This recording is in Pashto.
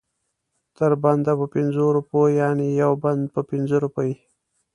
تر بنده په پنځو روپو یعنې یو بند په پنځه روپۍ.